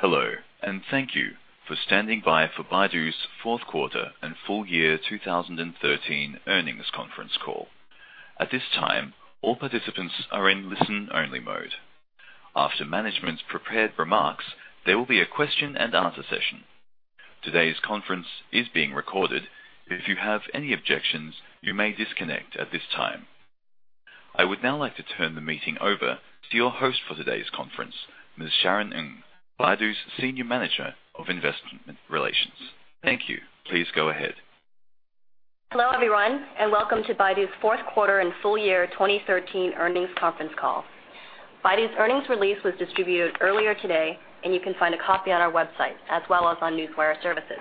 Hello, thank you for standing by for Baidu's fourth quarter and full year 2013 earnings conference call. At this time, all participants are in listen-only mode. After management's prepared remarks, there will be a question and answer session. Today's conference is being recorded. If you have any objections, you may disconnect at this time. I would now like to turn the meeting over to your host for today's conference, Ms. Sharon Ng, Baidu's Senior Manager of Investment Relations. Thank you. Please go ahead. Hello, everyone, welcome to Baidu's fourth quarter and full year 2013 earnings conference call. Baidu's earnings release was distributed earlier today, and you can find a copy on our website as well as on Newswire services.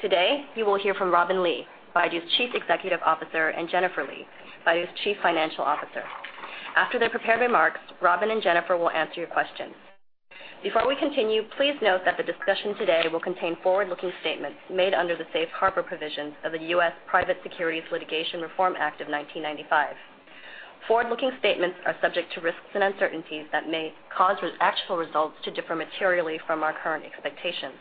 Today, you will hear from Robin Li, Baidu's Chief Executive Officer, and Jennifer Li, Baidu's Chief Financial Officer. After their prepared remarks, Robin and Jennifer will answer your questions. Before we continue, please note that the discussion today will contain forward-looking statements made under the Safe Harbor provisions of the U.S. Private Securities Litigation Reform Act of 1995. Forward-looking statements are subject to risks and uncertainties that may cause actual results to differ materially from our current expectations.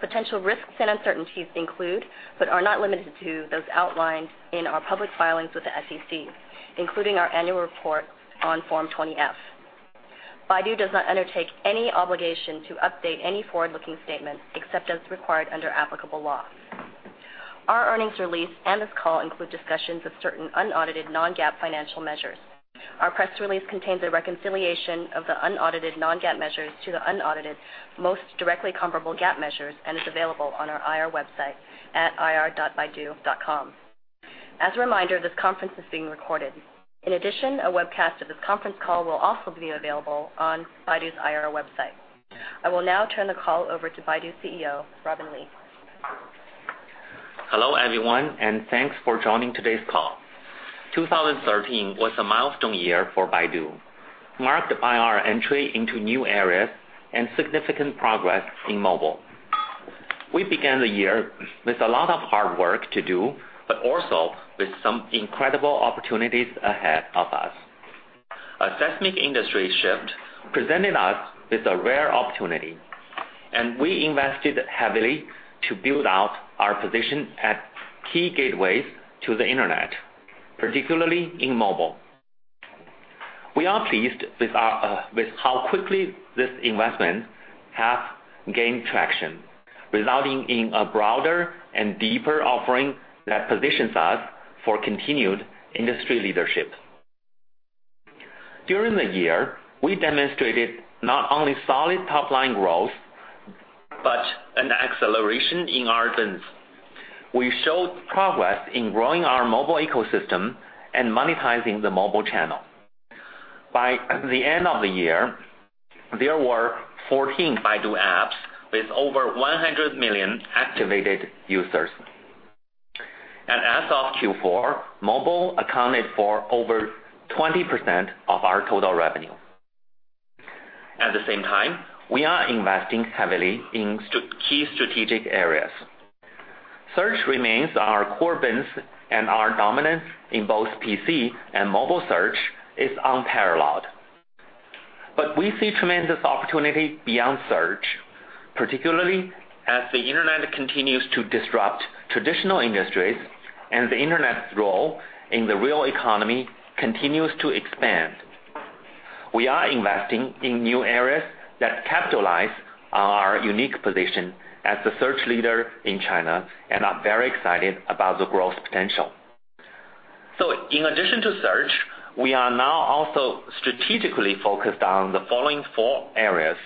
Potential risks and uncertainties include, but are not limited to, those outlined in our public filings with the SEC, including our annual report on Form 20-F. Baidu does not undertake any obligation to update any forward-looking statements except as required under applicable law. Our earnings release and this call include discussions of certain unaudited non-GAAP financial measures. Our press release contains a reconciliation of the unaudited non-GAAP measures to the unaudited most directly comparable GAAP measures and is available on our IR website at ir.baidu.com. As a reminder, this conference is being recorded. In addition, a webcast of this conference call will also be available on Baidu's IR website. I will now turn the call over to Baidu CEO, Robin Li. Hello, everyone, thanks for joining today's call. 2013 was a milestone year for Baidu, marked by our entry into new areas and significant progress in mobile. We began the year with a lot of hard work to do, also with some incredible opportunities ahead of us. A seismic industry shift presented us with a rare opportunity, we invested heavily to build out our position at key gateways to the internet, particularly in mobile. We are pleased with how quickly this investment has gained traction, resulting in a broader and deeper offering that positions us for continued industry leadership. During the year, we demonstrated not only solid top-line growth but an acceleration in our business. We showed progress in growing our mobile ecosystem and monetizing the mobile channel. By the end of the year, there were 14 Baidu apps with over 100 million activated users. As of Q4, mobile accounted for over 20% of our total revenue. At the same time, we are investing heavily in key strategic areas. Search remains our core business, and our dominance in both PC and mobile search is unparalleled. We see tremendous opportunity beyond search, particularly as the internet continues to disrupt traditional industries and the internet's role in the real economy continues to expand. We are investing in new areas that capitalize on our unique position as the search leader in China and are very excited about the growth potential. In addition to search, we are now also strategically focused on the following four areas.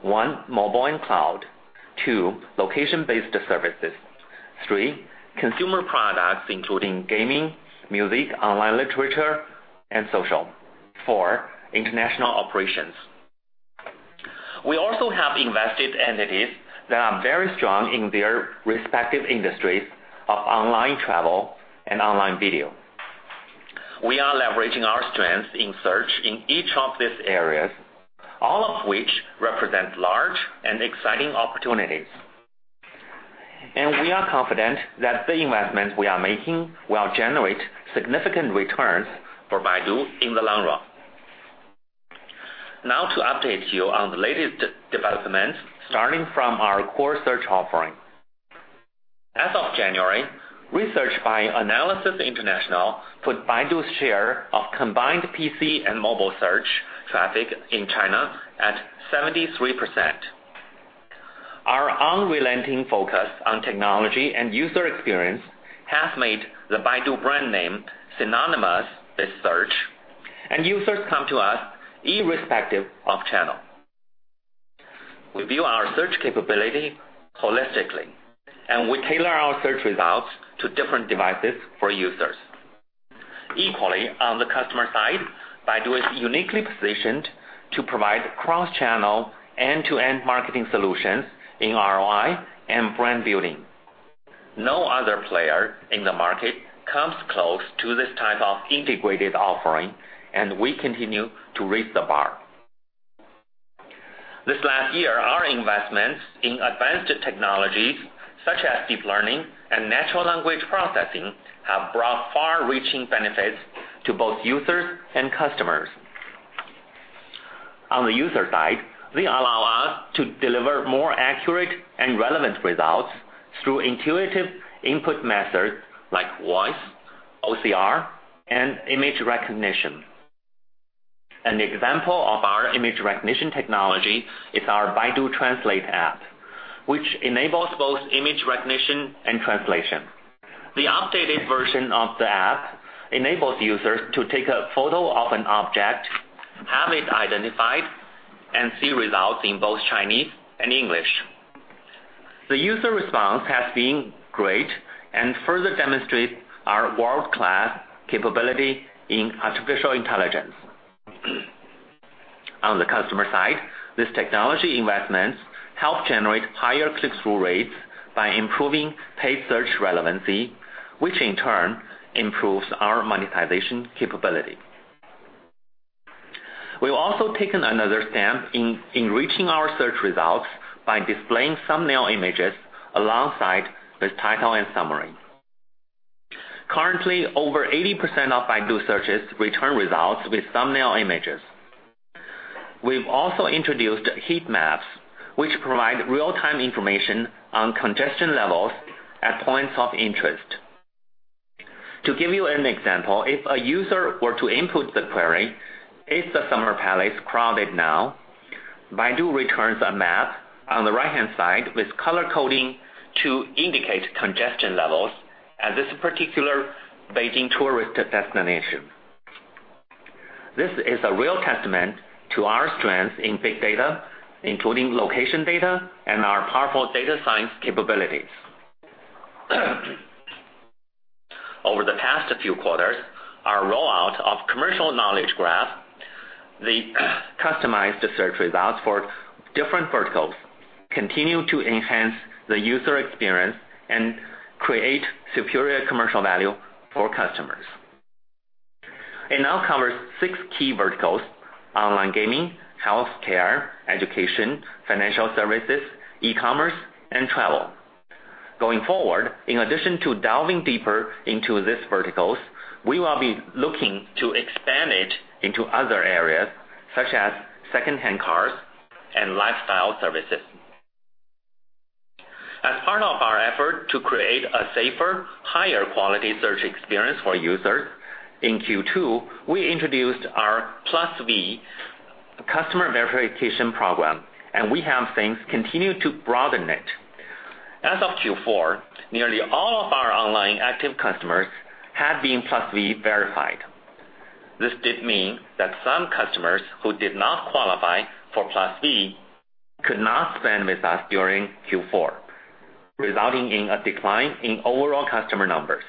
One, mobile and cloud. Two, location-based services. Three, consumer products, including gaming, music, online literature, and social. Four, international operations. We also have invested entities that are very strong in their respective industries of online travel and online video. We are leveraging our strength in search in each of these areas, all of which represent large and exciting opportunities. We are confident that the investment we are making will generate significant returns for Baidu in the long run. Now to update you on the latest developments, starting from our core search offering. As of January, research by Analysys International put Baidu's share of combined PC and mobile search traffic in China at 73%. Our unrelenting focus on technology and user experience has made the Baidu brand name synonymous with search, and users come to us irrespective of channel. We view our search capability holistically, and we tailor our search results to different devices for users. Equally, on the customer side, Baidu is uniquely positioned to provide cross-channel end-to-end marketing solutions in ROI and brand building. No other player in the market comes close to this type of integrated offering. We continue to raise the bar. This last year, our investments in advanced technologies such as deep learning and natural language processing have brought far-reaching benefits to both users and customers. On the user side, they allow us to deliver more accurate and relevant results through intuitive input methods like voice, OCR, and image recognition. An example of our image recognition technology is our Baidu Translate app, which enables both image recognition and translation. The updated version of the app enables users to take a photo of an object, have it identified, and see results in both Chinese and English. The user response has been great and further demonstrates our world-class capability in artificial intelligence. On the customer side, this technology investment helps generate higher click-through rates by improving paid search relevancy, which in turn improves our monetization capability. We've also taken another step in enriching our search results by displaying thumbnail images alongside the title and summary. Currently, over 80% of Baidu searches return results with thumbnail images. We've also introduced heat maps, which provide real-time information on congestion levels at points of interest. To give you an example, if a user were to input the query, "Is the Summer Palace crowded now?" Baidu returns a map on the right-hand side with color coding to indicate congestion levels at this particular Beijing tourist destination. This is a real testament to our strength in big data, including location data and our powerful data science capabilities. Over the past few quarters, our rollout of commercial knowledge graph, the customized search results for different verticals continue to enhance the user experience and create superior commercial value for customers. It now covers six key verticals: online gaming, healthcare, education, financial services, e-commerce, and travel. Going forward, in addition to delving deeper into these verticals, we will be looking to expand it into other areas such as secondhand cars and lifestyle services. As part of our effort to create a safer, higher quality search experience for users, in Q2, we introduced our Plus V customer verification program, and we have since continued to broaden it. As of Q4, nearly all of our online active customers have been Plus V verified. This did mean that some customers who did not qualify for Plus V could not spend with us during Q4, resulting in a decline in overall customer numbers.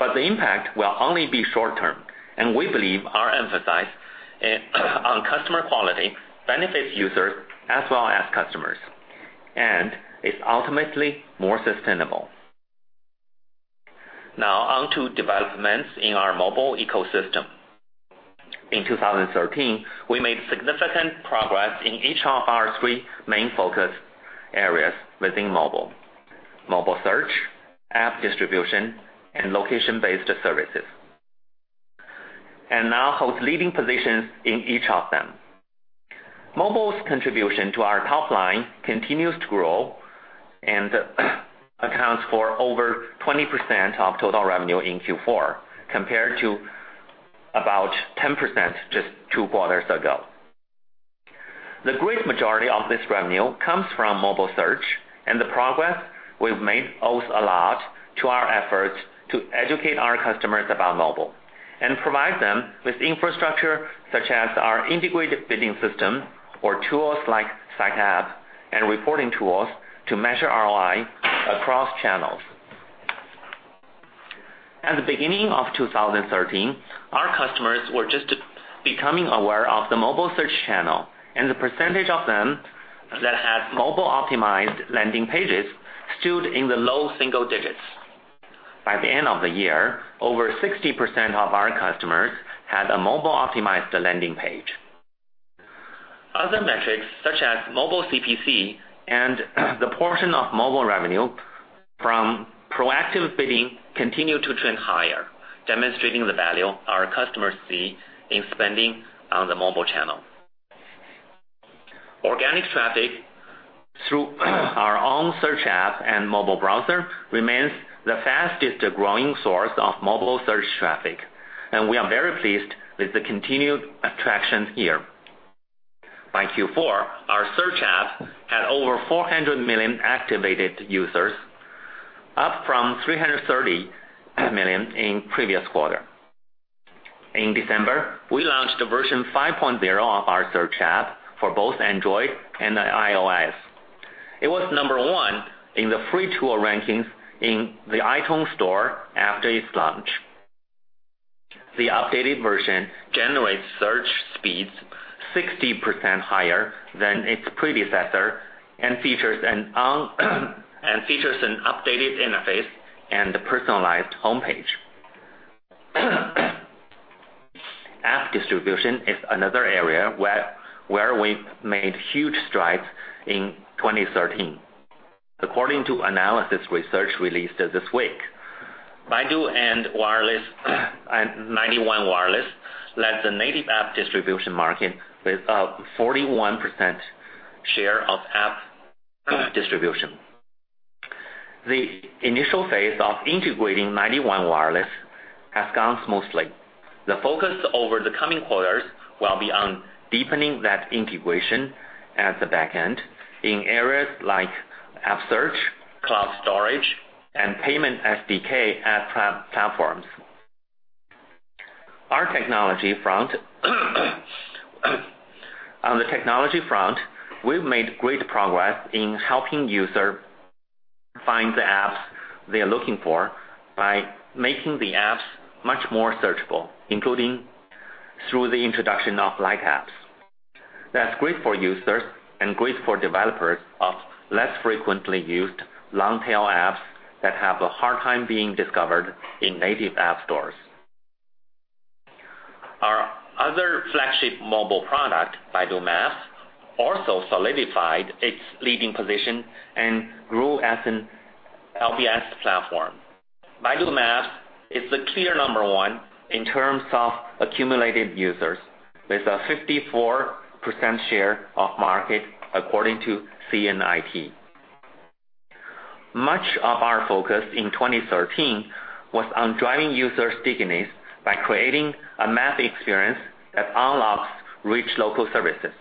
The impact will only be short term, and we believe our emphasis on customer quality benefits users as well as customers and is ultimately more sustainable. Now on to developments in our mobile ecosystem. In 2013, we made significant progress in each of our three main focus areas within mobile: mobile search, app distribution, and location-based services, and now hold leading positions in each of them. Mobile's contribution to our top line continues to grow and accounts for over 20% of total revenue in Q4 compared to about 10% just two quarters ago. The great majority of this revenue comes from mobile search, and the progress we've made owes a lot to our efforts to educate our customers about mobile and provide them with infrastructure such as our integrated bidding system or tools like site apps and reporting tools to measure ROI across channels. At the beginning of 2013, our customers were just becoming aware of the mobile search channel, and the percentage of them that had mobile-optimized landing pages stood in the low single digits. By the end of the year, over 60% of our customers had a mobile-optimized landing page. Other metrics such as mobile CPC and the portion of mobile revenue from proactive bidding continue to trend higher, demonstrating the value our customers see in spending on the mobile channel. Organic traffic through our own search app and mobile browser remains the fastest growing source of mobile search traffic, and we are very pleased with the continued traction here. By Q4, our search app had over 400 million activated users, up from 330 million in the previous quarter. In December, we launched version 5.0 of our search app for both Android and iOS. It was number one in the free tool rankings in the iTunes store after its launch. The updated version generates search speeds 60% higher than its predecessor and features an updated interface and a personalized homepage. App distribution is another area where we've made huge strides in 2013. According to Analysys International released this week, Baidu and 91 Wireless led the native app distribution market with a 41% share of app distribution. The initial phase of integrating 91 Wireless has gone smoothly. The focus over the coming quarters will be on deepening that integration at the back end in areas like app search, cloud storage, and payment SDK app platforms. On the technology front, we've made great progress in helping users find the apps they're looking for by making the apps much more searchable, including through the introduction of light apps. That's great for users and great for developers of less frequently used long-tail apps that have a hard time being discovered in native app stores. Our other flagship mobile product, Baidu Maps, also solidified its leading position and grew as an LBS platform. Baidu Maps is the clear number 1 in terms of accumulated users, with a 54% share of market, according to CNIT. Much of our focus in 2013 was on driving user stickiness by creating a map experience that unlocks rich local services.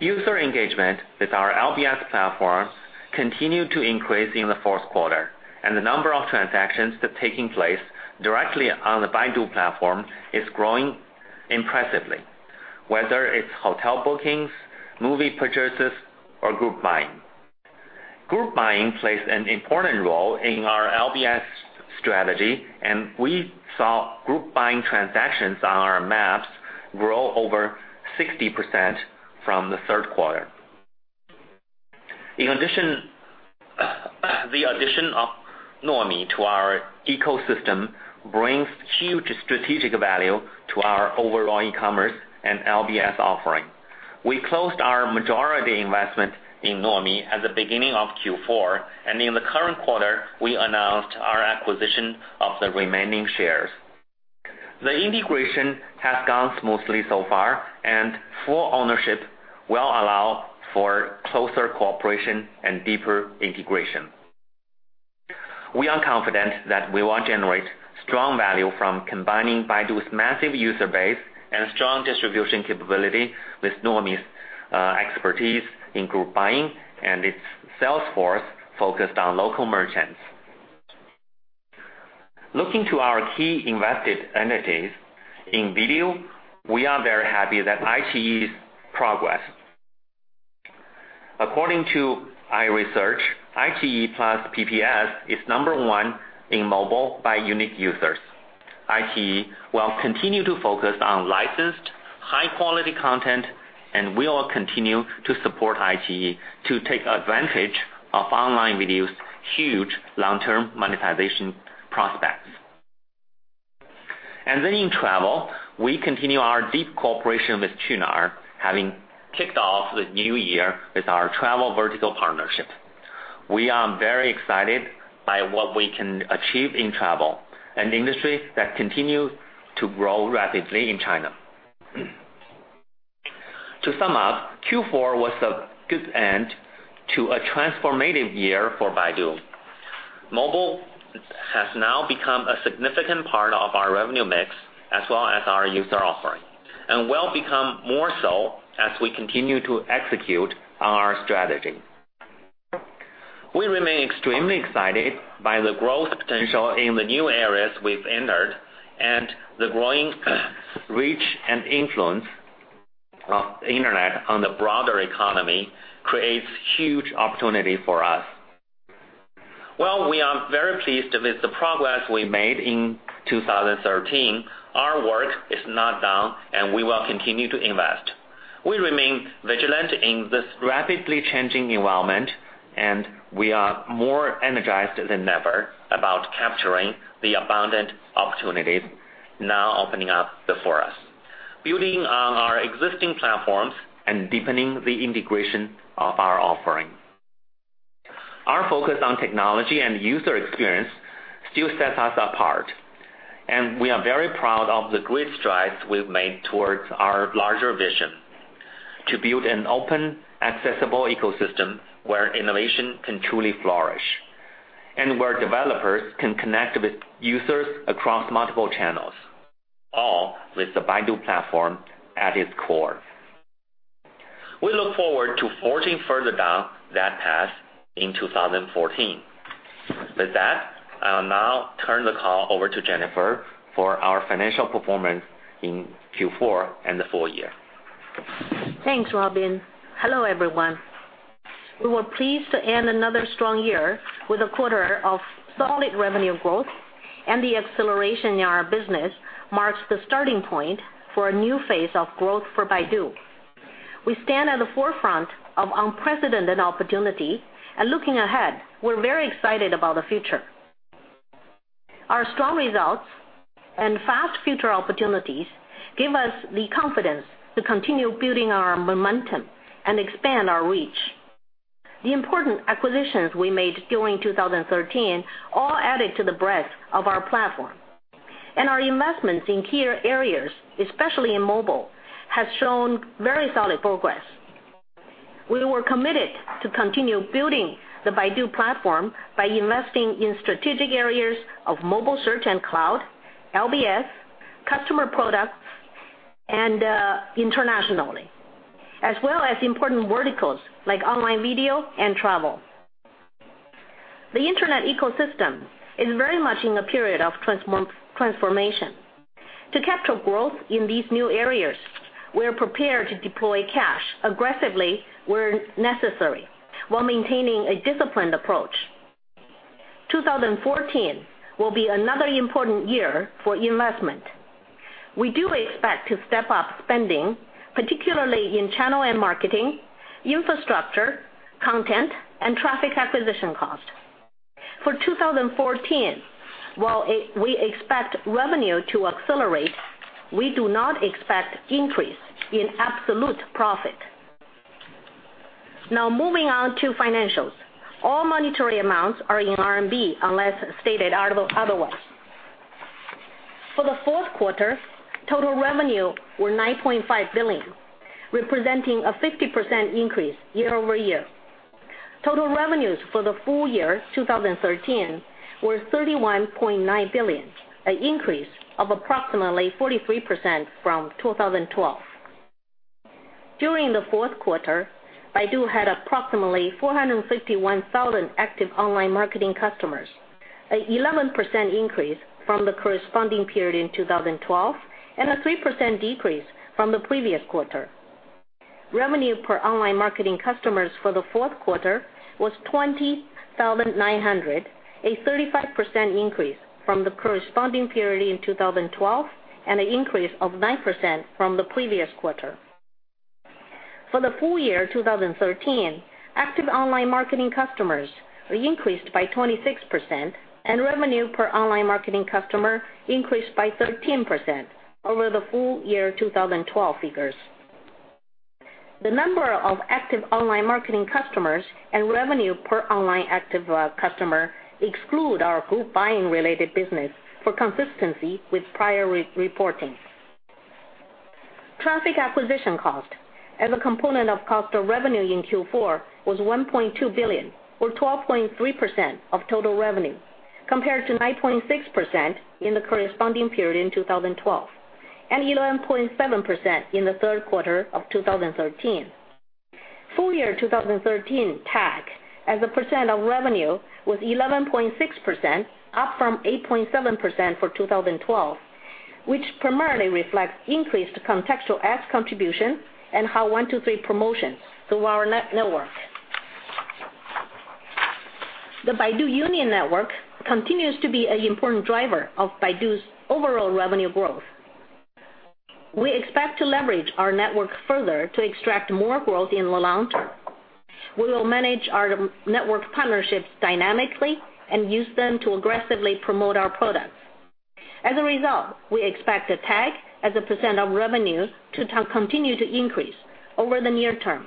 User engagement with our LBS platforms continued to increase in the fourth quarter, and the number of transactions taking place directly on the Baidu platform is growing impressively, whether it's hotel bookings, movie purchases, or group buying. Group buying plays an important role in our LBS strategy, and we saw group buying transactions on our maps grow over 60% from the third quarter. The addition of Nuomi to our ecosystem brings huge strategic value to our overall e-commerce and LBS offering. We closed our majority investment in Nuomi at the beginning of Q4, and in the current quarter, we announced our acquisition of the remaining shares. The integration has gone smoothly so far, and full ownership will allow for closer cooperation and deeper integration. We are confident that we will generate strong value from combining Baidu's massive user base and strong distribution capability with Nuomi's expertise in group buying and its sales force focused on local merchants. Looking to our key invested entities, in video, we are very happy with iQIYI's progress. According to iResearch, iQIYI plus PPS is number 1 in mobile by unique users. iQIYI will continue to focus on licensed, high-quality content, and we will continue to support iQIYI to take advantage of online video's huge long-term monetization prospects. In travel, we continue our deep cooperation with Qunar, having kicked off the new year with our travel vertical partnership. We are very excited by what we can achieve in travel, an industry that continues to grow rapidly in China. To sum up, Q4 was a good end to a transformative year for Baidu. Mobile has now become a significant part of our revenue mix as well as our user offering, and will become more so as we continue to execute on our strategy. We remain extremely excited by the growth potential in the new areas we've entered, and the growing reach and influence of the internet on the broader economy creates huge opportunity for us. While we are very pleased with the progress we made in 2013, our work is not done, and we will continue to invest. We remain vigilant in this rapidly changing environment, and we are more energized than ever about capturing the abundant opportunities now opening up before us, building on our existing platforms and deepening the integration of our offering. Our focus on technology and user experience still sets us apart, and we are very proud of the great strides we've made towards our larger vision to build an open, accessible ecosystem where innovation can truly flourish and where developers can connect with users across multiple channels, all with the Baidu platform at its core. We look forward to forging further down that path in 2014. With that, I'll now turn the call over to Jennifer for our financial performance in Q4 and the full year. Thanks, Robin. Hello, everyone. We were pleased to end another strong year with a quarter of solid revenue growth, and the acceleration in our business marks the starting point for a new phase of growth for Baidu. We stand at the forefront of unprecedented opportunity, and looking ahead, we're very excited about the future. Our strong results and fast future opportunities give us the confidence to continue building our momentum and expand our reach. The important acquisitions we made during 2013 all added to the breadth of our platform, and our investments in key areas, especially in mobile, has shown very solid progress. We were committed to continue building the Baidu platform by investing in strategic areas of mobile search and cloud, LBS, customer products, and internationally, as well as important verticals like online video and travel. The internet ecosystem is very much in a period of transformation. To capture growth in these new areas, we are prepared to deploy cash aggressively where necessary while maintaining a disciplined approach. 2014 will be another important year for investment. We do expect to step up spending, particularly in channel and marketing, infrastructure, content, and traffic acquisition cost. For 2014, while we expect revenue to accelerate, we do not expect increase in absolute profit. Moving on to financials. All monetary amounts are in RMB unless stated otherwise. For the fourth quarter, total revenue were 9.5 billion, representing a 50% increase year-over-year. Total revenues for the full year 2013 were 31.9 billion, an increase of approximately 43% from 2012. During the fourth quarter, Baidu had approximately 451,000 active online marketing customers, an 11% increase from the corresponding period in 2012 and a 3% decrease from the previous quarter. Revenue per online marketing customers for the fourth quarter was 20,900, a 35% increase from the corresponding period in 2012, and an increase of 9% from the previous quarter. For the full year 2013, active online marketing customers increased by 26%, and revenue per online marketing customer increased by 13% over the full year 2012 figures. The number of active online marketing customers and revenue per online active customer exclude our group buying-related business for consistency with prior reporting. Traffic acquisition cost as a component of cost of revenue in Q4 was 1.2 billion, or 12.3% of total revenue, compared to 9.6% in the corresponding period in 2012, and 11.7% in the third quarter of 2013. Full year 2013 TAC as a percent of revenue was 11.6%, up from 8.7% for 2012, which primarily reflects increased contextual ADS contribution and Hao123 promotions through our network. The Baidu Union network continues to be an important driver of Baidu's overall revenue growth. We expect to leverage our network further to extract more growth in the long term. We will manage our network partnerships dynamically and use them to aggressively promote our products. As a result, we expect TAC as a percent of revenues to continue to increase over the near term.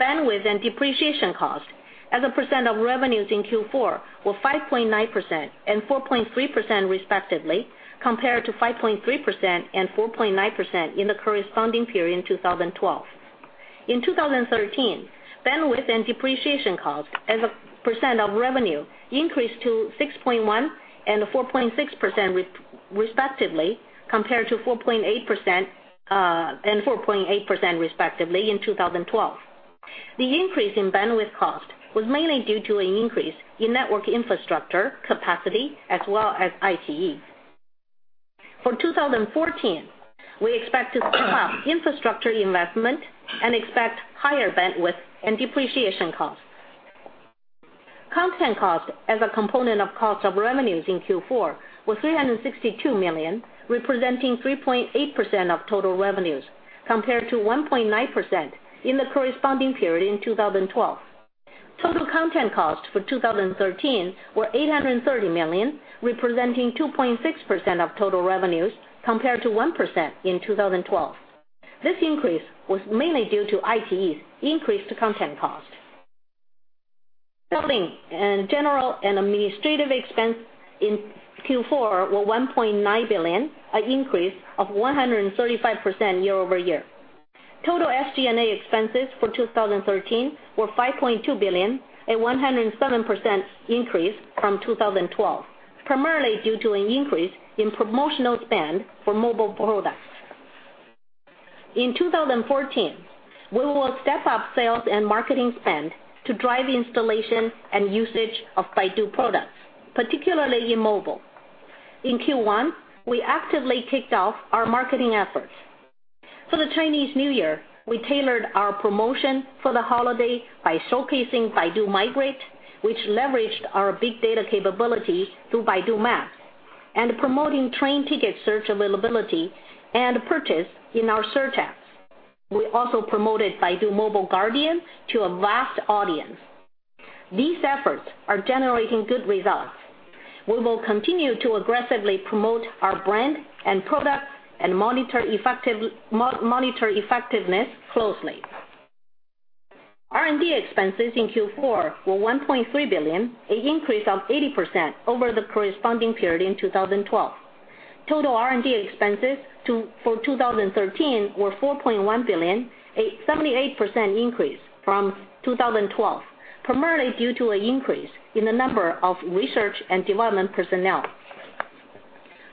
Bandwidth and depreciation costs as a percent of revenues in Q4 were 5.9% and 4.3% respectively, compared to 5.3% and 4.9% in the corresponding period in 2012. In 2013, bandwidth and depreciation costs as a percent of revenue increased to 6.1% and 4.6% respectively, compared to 4.8% and 4.8% respectively in 2012. The increase in bandwidth cost was mainly due to an increase in network infrastructure capacity as well as iQIYI. For 2014, we expect to step up infrastructure investment and expect higher bandwidth and depreciation costs. Content cost as a component of cost of revenues in Q4 was 362 million, representing 3.8% of total revenues, compared to 1.9% in the corresponding period in 2012. Total content costs for 2013 were 830 million, representing 2.6% of total revenues, compared to 1% in 2012. This increase was mainly due to iQIYI's increased content cost. Selling and general and administrative expense in Q4 were 1.9 billion, an increase of 135% year-over-year. Total SG&A expenses for 2013 were 5.2 billion, a 107% increase from 2012, primarily due to an increase in promotional spend for mobile products. In 2014, we will step up sales and marketing spend to drive installation and usage of Baidu products, particularly in mobile. In Q1, we actively kicked off our marketing efforts. For the Chinese New Year, we tailored our promotion for the holiday by showcasing Baidu Migrate, which leveraged our big data capability through Baidu Maps and promoting train ticket search availability and purchase in our search apps. We also promoted Baidu Mobile Guardian to a vast audience. These efforts are generating good results. We will continue to aggressively promote our brand and product and monitor effectiveness closely. R&D expenses in Q4 were 1.3 billion, an increase of 80% over the corresponding period in 2012. Total R&D expenses for 2013 were 4.1 billion, a 78% increase from 2012, primarily due to an increase in the number of research and development personnel.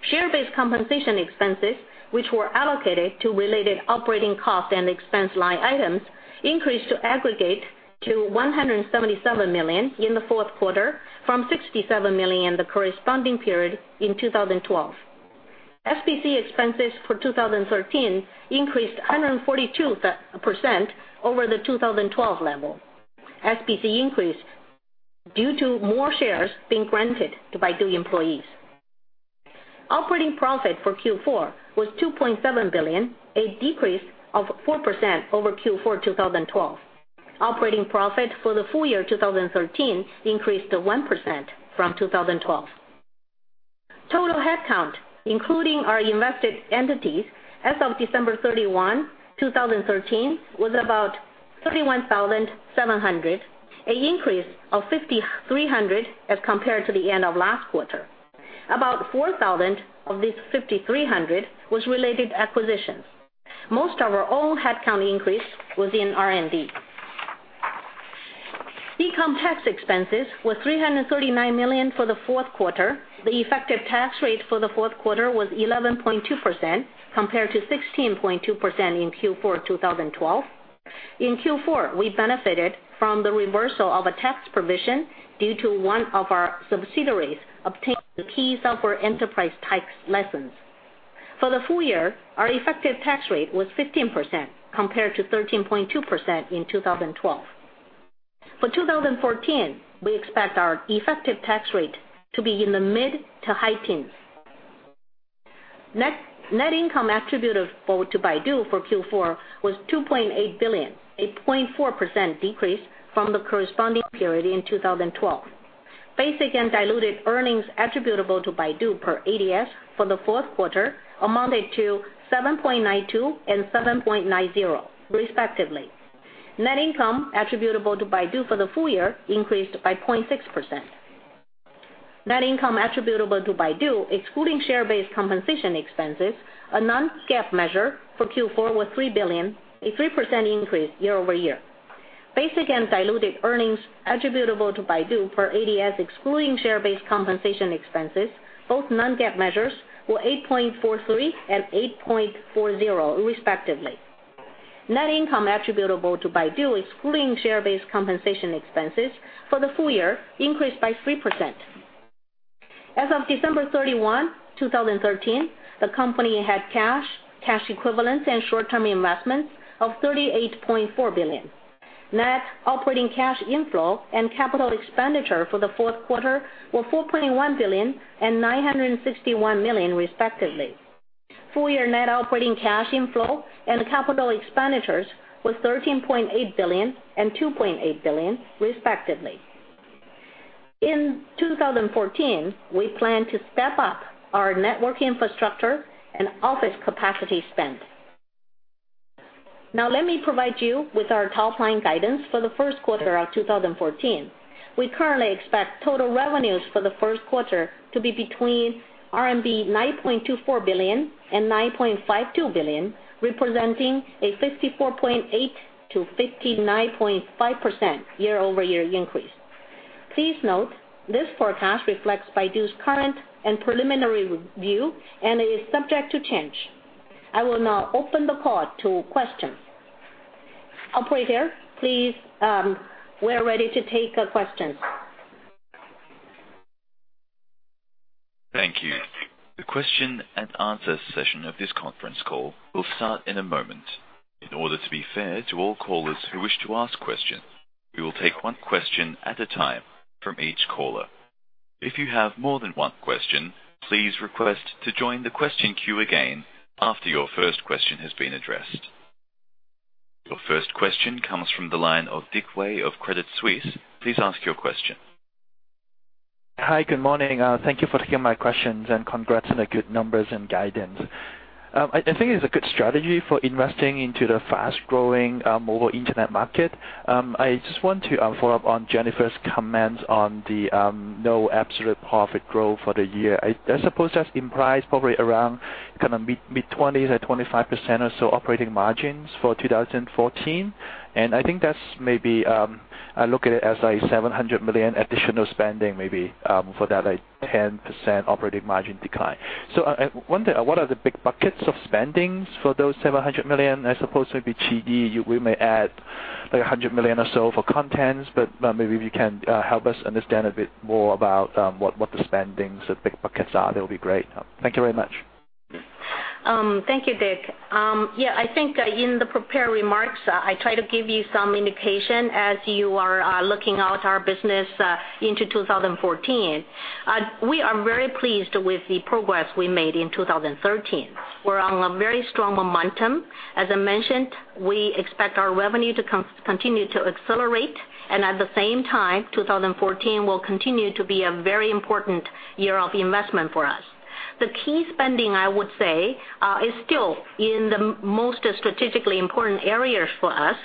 Share-based compensation expenses, which were allocated to related operating costs and expense line items, increased to aggregate to 177 million in the fourth quarter from 67 million in the corresponding period in 2012. SBC expenses for 2013 increased 142% over the 2012 level. SBC increase due to more shares being granted to Baidu employees. Operating profit for Q4 was 2.7 billion, a decrease of 4% over Q4 2012. Operating profit for the full year 2013 increased 1% from 2012. Total headcount, including our invested entities, as of December 31, 2013, was about 31,700, an increase of 5,300 as compared to the end of last quarter. About 4,000 of these 5,300 was related to acquisitions. Most of our old headcount increase was in R&D. Income tax expenses were 339 million for the fourth quarter. The effective tax rate for the fourth quarter was 11.2% compared to 16.2% in Q4 2012. In Q4, we benefited from the reversal of a tax provision due to one of our subsidiaries obtaining key software enterprise tax concessions. For the full year, our effective tax rate was 15% compared to 13.2% in 2012. For 2014, we expect our effective tax rate to be in the mid to high teens. Net income attributable to Baidu for Q4 was 2.8 billion, a 0.4% decrease from the corresponding period in 2012. Basic and diluted earnings attributable to Baidu per ADS for the fourth quarter amounted to $7.92 and $7.90 respectively. Net income attributable to Baidu for the full year increased by 0.6%. Net income attributable to Baidu, excluding share-based compensation expenses, a non-GAAP measure for Q4, was 3 billion, a 3% increase year-over-year. Basic and diluted earnings attributable to Baidu per ADS, excluding share-based compensation expenses, both non-GAAP measures, were $8.43 and $8.40, respectively. Net income attributable to Baidu, excluding share-based compensation expenses for the full year, increased by 3%. As of December 31, 2013, the company had cash equivalents, and short-term investments of 38.4 billion. Net operating cash inflow and capital expenditure for the fourth quarter were 4.1 billion and 961 million, respectively. Full-year net operating cash inflow and capital expenditures were CNY 13.8 billion and CNY 2.8 billion, respectively. In 2014, we plan to step up our network infrastructure and office capacity spend. Let me provide you with our top-line guidance for the first quarter of 2014. We currently expect total revenues for the first quarter to be between RMB 9.24 billion and 9.52 billion, representing a 54.8%-59.5% year-over-year increase. Please note, this forecast reflects Baidu's current and preliminary view, and it is subject to change. I will now open the call to questions. Operator, please, we're ready to take questions. Thank you. The question and answer session of this conference call will start in a moment. In order to be fair to all callers who wish to ask questions, we will take one question at a time from each caller. If you have more than one question, please request to join the question queue again after your first question has been addressed. Your first question comes from the line of Dick Wei of Credit Suisse. Please ask your question. Hi, good morning. Thank you for taking my questions, and congrats on the good numbers and guidance. I think it's a good strategy for investing into the fast-growing mobile internet market. I just want to follow up on Jennifer's comments on the no absolute profit growth for the year. I suppose that's implied probably around mid-20s or 25% or so operating margins for 2014. I think that's, I look at it as 700 million additional spending for that 10% operating margin decline. One thing, what are the big buckets of spendings for those 700 million? I suppose it would be G&A. We may add 100 million or so for content, if you can help us understand a bit more about what the spendings or big buckets are, that'll be great. Thank you very much. Thank you, Dick. I think in the prepared remarks, I try to give you some indication as you are looking out our business into 2014. We are very pleased with the progress we made in 2013. We're on a very strong momentum. As I mentioned, we expect our revenue to continue to accelerate, and at the same time, 2014 will continue to be a very important year of investment for us. The key spending, I would say, is still in the most strategically important areas for us.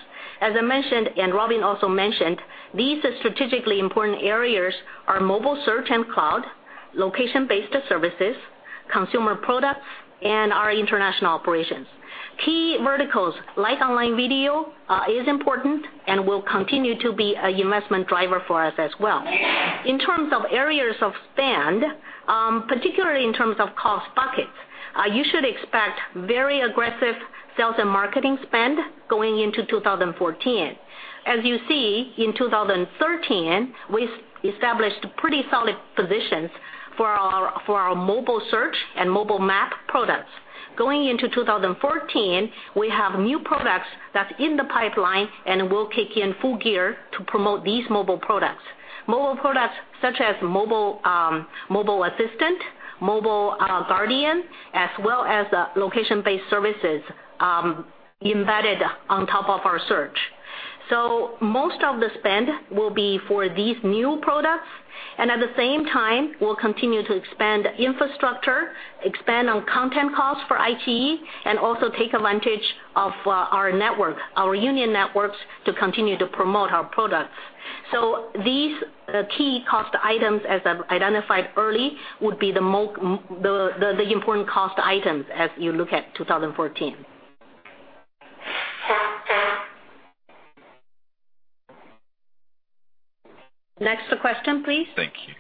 As I mentioned, Robin also mentioned, these strategically important areas are mobile search and cloud, location-based services, consumer products, and our international operations. Key verticals like online video is important and will continue to be an investment driver for us as well. In terms of areas of spend, particularly in terms of cost buckets, you should expect very aggressive sales and marketing spend going into 2014. As you see, in 2013, we established pretty solid positions for our mobile search and mobile map products. Going into 2014, we have new products that's in the pipeline, and we'll kick in full gear to promote these mobile products. Mobile products such as Baidu Mobile Assistant, Baidu Mobile Guardian, as well as location-based services embedded on top of our search. Most of the spend will be for these new products, and at the same time, we'll continue to expand infrastructure, expand on content costs for iQIYI, and also take advantage of our Baidu Union networks to continue to promote our products. These key cost items, as I've identified early, would be the important cost items as you look at 2014. Next question, please. Thank you.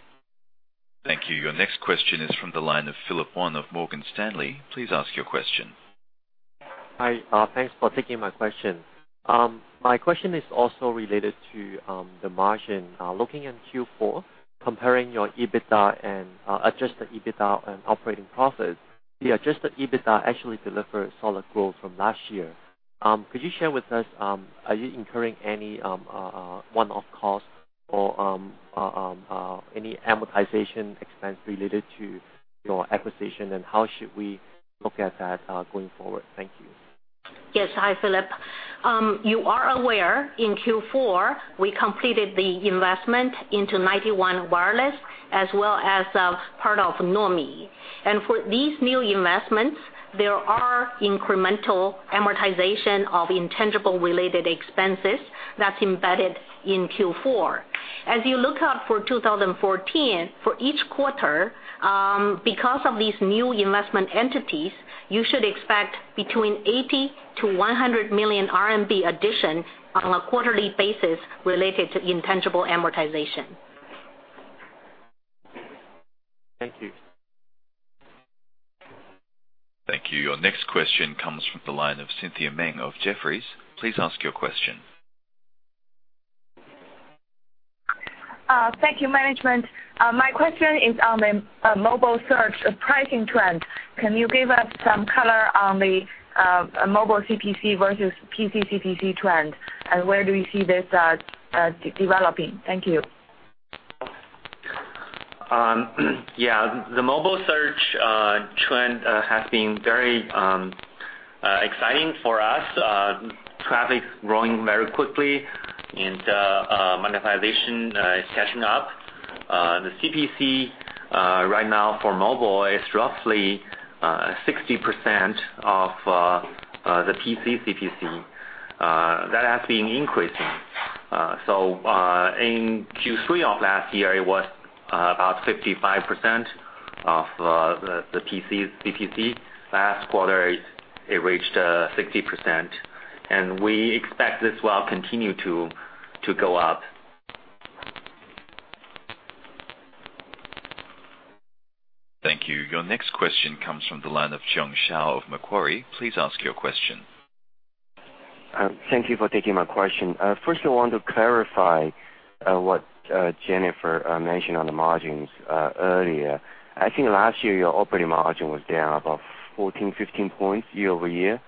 Thank you. Your next question is from the line of Philip Wan of Morgan Stanley. Please ask your question. Hi. Thanks for taking my question. My question is also related to the margin. Looking in Q4, comparing your EBITDA and adjusted EBITDA and operating profits, the adjusted EBITDA actually delivered solid growth from last year. Could you share with us, are you incurring any one-off costs or any amortization expense related to your acquisition, and how should we look at that going forward? Thank you. Yes. Hi, Philip. You are aware, in Q4, we completed the investment into 91 Wireless as well as part of Nuomi. For these new investments, there are incremental amortization of intangible related expenses that's embedded in Q4. As you look out for 2014, for each quarter, because of these new investment entities, you should expect between 80 million-100 million RMB addition on a quarterly basis related to intangible amortization. Thank you. Thank you. Your next question comes from the line of Cynthia Meng of Jefferies. Please ask your question. Thank you, management. My question is on the mobile search pricing trend. Can you give us some color on the mobile CPC versus PC CPC trend, and where do we see this developing? Thank you. Yeah. The mobile search trend has been very exciting for us. Traffic growing very quickly and monetization is catching up. The CPC right now for mobile is roughly 60% of the PC CPC. That has been increasing. In Q3 of last year, it was about 55% of the PC CPC. Last quarter, it reached 60%, and we expect this will continue to go up. Thank you. Your next question comes from the line of Jiong Shao of Macquarie. Please ask your question. Thank you for taking my question. First, I want to clarify what Jennifer mentioned on the margins earlier. I think last year, your operating margin was down about 14, 15 points year-over-year.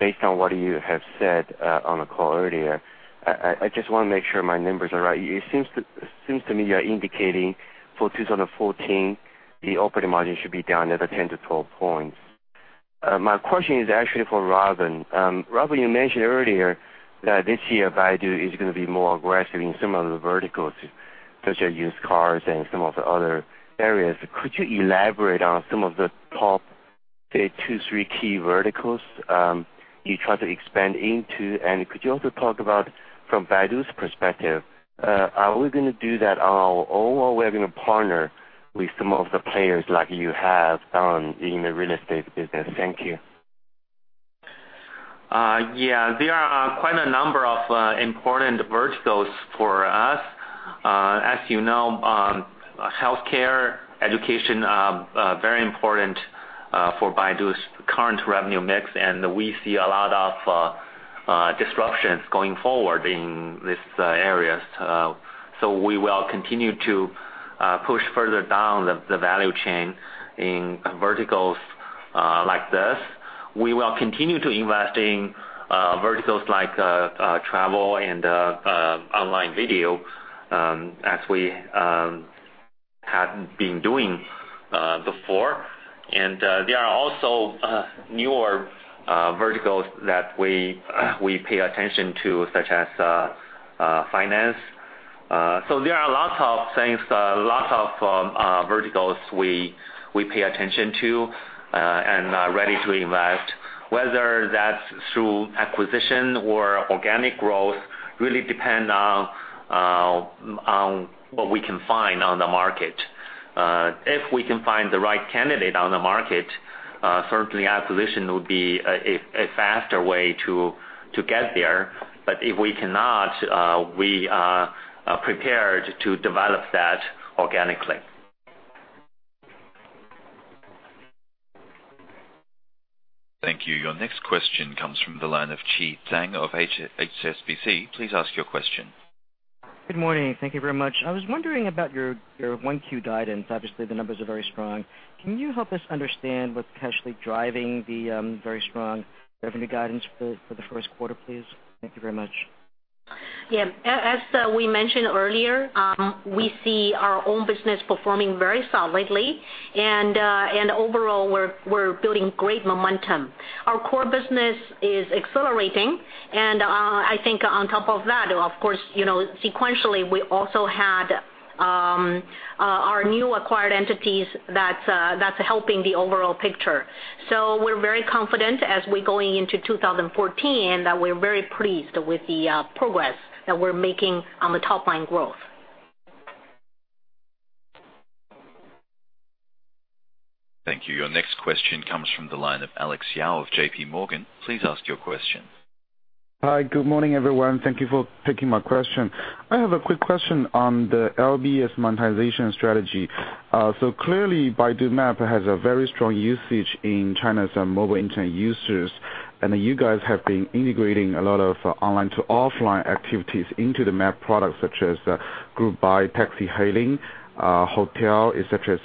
Based on what you have said on the call earlier, I just want to make sure my numbers are right. It seems to me you're indicating for 2014, the operating margin should be down another 10 to 12 points. My question is actually for Robin. Robin, you mentioned earlier that this year Baidu is going to be more aggressive in some of the verticals, such as used cars and some of the other areas. Could you elaborate on some of the top two, three key verticals you're trying to expand into? Could you also talk about from Baidu's perspective, are we going to do that on our own, or we're going to partner with some of the players like you have done in the real estate business? Thank you. Yeah. There are quite a number of important verticals for us. As you know, healthcare, education are very important for Baidu's current revenue mix, and we see a lot of disruptions going forward in these areas. We will continue to push further down the value chain in verticals like this. We will continue to invest in verticals like travel and online video, as we have been doing before. There are also newer verticals that we pay attention to, such as finance. There are lots of things, lots of verticals we pay attention to and are ready to invest, whether that's through acquisition or organic growth, really depend on what we can find on the market. If we can find the right candidate on the market, certainly acquisition would be a faster way to get there. If we cannot, we are prepared to develop that organically. Thank you. Your next question comes from the line of Chi Tsang of HSBC. Please ask your question. Good morning. Thank you very much. I was wondering about your 1Q guidance. Obviously, the numbers are very strong. Can you help us understand what's actually driving the very strong revenue guidance for the first quarter, please? Thank you very much. Yeah. As we mentioned earlier, we see our own business performing very solidly. Overall, we're building great momentum. Our core business is accelerating, I think on top of that, of course, sequentially, we also had our new acquired entities that's helping the overall picture. We're very confident as we're going into 2014, that we're very pleased with the progress that we're making on the top-line growth. Thank you. Your next question comes from the line of Alex Yao of J.P. Morgan. Please ask your question. Hi, good morning, everyone. Thank you for taking my question. I have a quick question on the LBS monetization strategy. Clearly, Baidu Maps has a very strong usage in China's mobile internet users. You guys have been integrating a lot of online to offline activities into the map products such as group buy, taxi hailing, hotel, et cetera.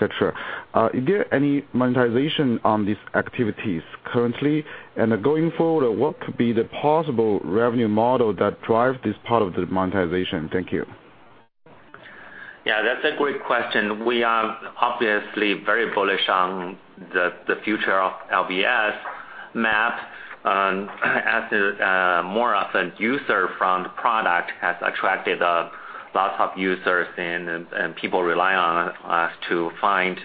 Is there any monetization on these activities currently? Going forward, what could be the possible revenue model that drives this part of the monetization? Thank you. Yeah, that's a great question. We are obviously very bullish on the future of LBS Map as a more of a user front product has attracted lots of users and people rely on us to find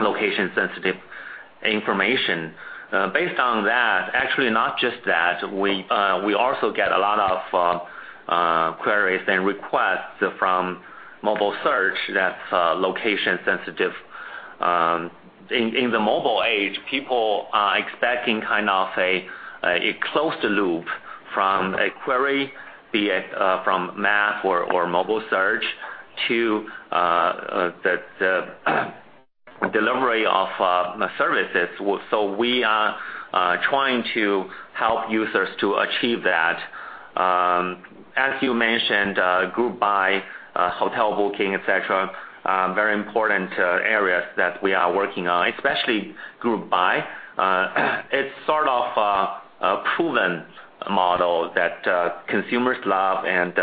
location-sensitive information. Based on that, actually, not just that, we also get a lot of queries and requests from mobile search that's location sensitive. In the mobile age, people are expecting kind of a closed loop from a query, be it from Map or mobile search, to the delivery of services. We are trying to help users to achieve that. As you mentioned, group buy, hotel booking, et cetera, very important areas that we are working on, especially group buy. It's sort of a proven model that consumers love and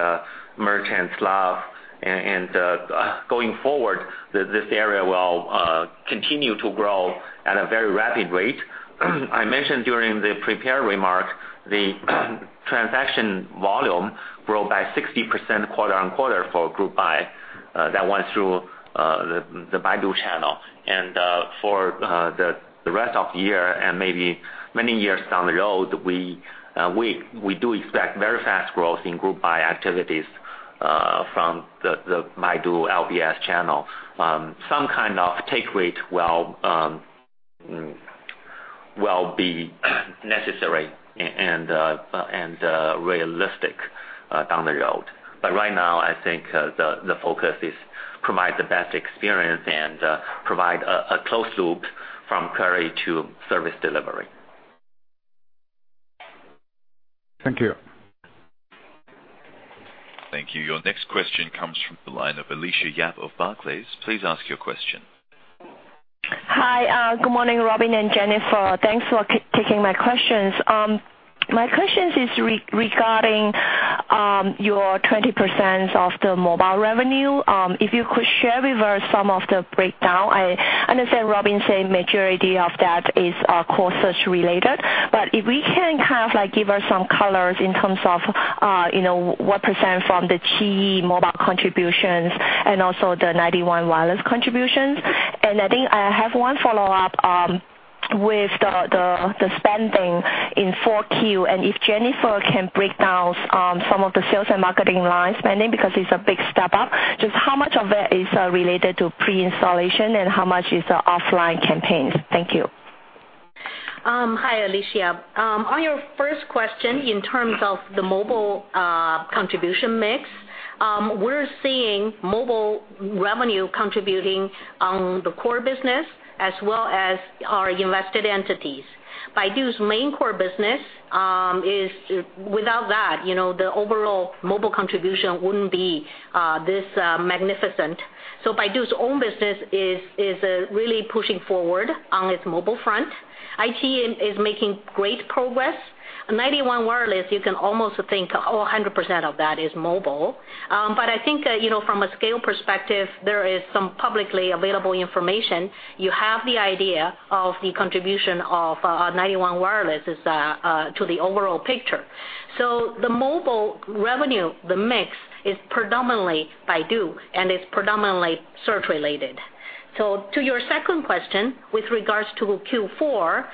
merchants love, going forward, this area will continue to grow at a very rapid rate. I mentioned during the prepared remarks, the transaction volume grew by 60% quarter-on-quarter for group buy that went through the Baidu channel. For the rest of the year and maybe many years down the road, we do expect very fast growth in group buy activities from the Baidu LBS channel. Some kind of take rate will be necessary and realistic down the road. Right now, I think the focus is provide the best experience and provide a closed loop from query to service delivery. Thank you. Thank you. Your next question comes from the line of Alicia Yap of Barclays. Please ask your question. Hi, good morning, Robin and Jennifer. Thanks for taking my questions. My questions is regarding your 20% of the mobile revenue. If you could share with us some of the breakdown. I understand Robin saying majority of that is core search related, but if we can kind of like give us some colors in terms of what percent from the iQIYI mobile contributions and also the 91 Wireless contributions. I think I have one follow-up with the spending in 4Q, if Jennifer can break down some of the sales and marketing line spending because it's a big step up. Just how much of it is related to pre-installation and how much is the offline campaigns? Thank you. Hi, Alicia. On your first question, in terms of the mobile contribution mix We're seeing mobile revenue contributing on the core business as well as our invested entities. Baidu's main core business, without that, the overall mobile contribution wouldn't be this magnificent. Baidu's own business is really pushing forward on its mobile front. iQIYI is making great progress. 91 Wireless, you can almost think 100% of that is mobile. I think from a scale perspective, there is some publicly available information. You have the idea of the contribution of 91 Wireless to the overall picture. The mobile revenue, the mix, is predominantly Baidu, and it's predominantly search related. To your second question, with regards to Q4,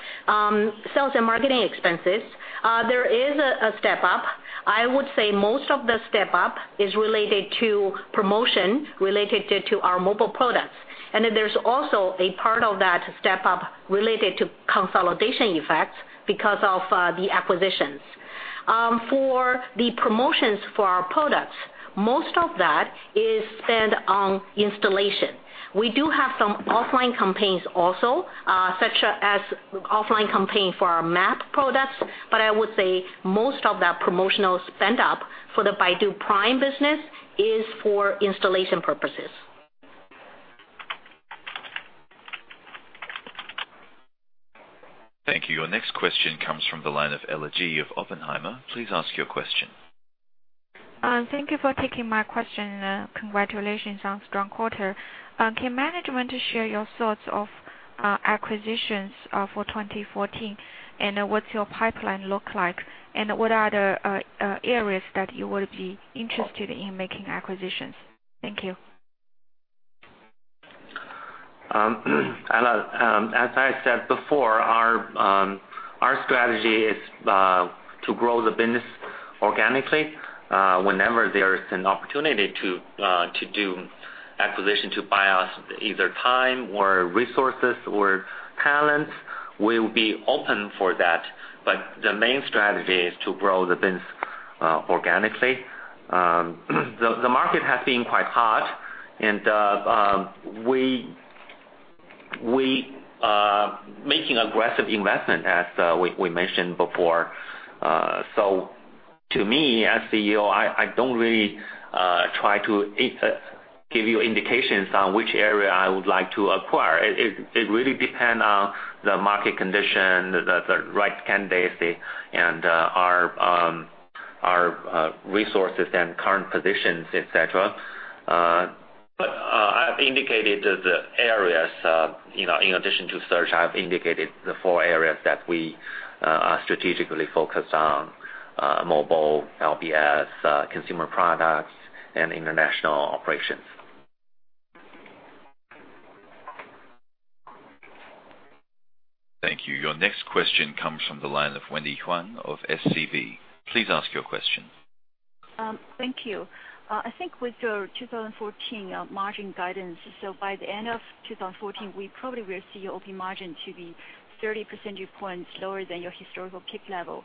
sales and marketing expenses, there is a step up. I would say most of the step up is related to promotion related to our mobile products. There's also a part of that step up related to consolidation effects because of the acquisitions. For the promotions for our products, most of that is spent on installation. We do have some offline campaigns also, such as offline campaign for our map products. I would say most of that promotional spend up for the Baidu Wangpan business is for installation purposes. Thank you. Your next question comes from the line of Ella Ji of Oppenheimer. Please ask your question. Thank you for taking my question, Congratulations on strong quarter. What's your pipeline look like, and what are the areas that you would be interested in making acquisitions? Thank you. Ella, as I said before, our strategy is to grow the business organically. Whenever there is an opportunity to do acquisition to buy us either time or resources or talent, we'll be open for that. The main strategy is to grow the business organically. The market has been quite hot, and we making aggressive investment, as we mentioned before. To me, as CEO, I don't really try to give you indications on which area I would like to acquire. It really depend on the market condition, the right candidacy, and our resources and current positions, et cetera. I've indicated the areas in addition to search, I've indicated the four areas that we are strategically focused on, mobile, LBS, consumer products, and international operations. Thank you. Your next question comes from the line of Wendy Huang of SCB. Please ask your question. Thank you. I think with your 2014 margin guidance, by the end of 2014, we probably will see your OP margin to be 30 percentage points lower than your historical peak level.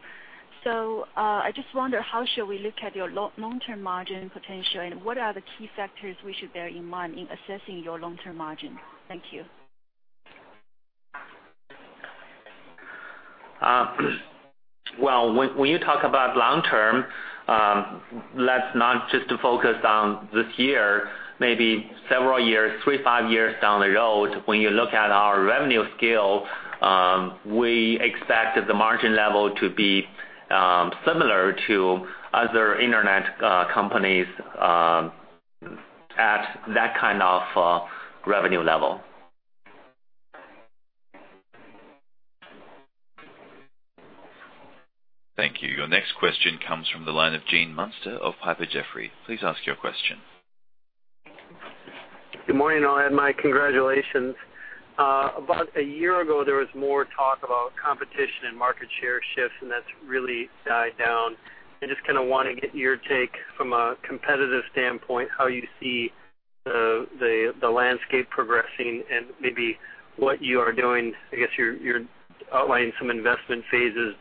I just wonder how shall we look at your long-term margin potential, and what are the key factors we should bear in mind in assessing your long-term margin? Thank you. Well, when you talk about long term, let's not just focus on this year, maybe several years, three, five years down the road, when you look at our revenue scale, we expect the margin level to be similar to other internet companies at that kind of revenue level. Thank you. Your next question comes from the line of Gene Munster of Piper Jaffray. Please ask your question. Good morning, and my congratulations. About a year ago, there was more talk about competition and market share shifts, and that's really died down. I just kind of want to get your take from a competitive standpoint, how you see the landscape progressing and maybe what you are doing. I guess you're outlining some investment phases,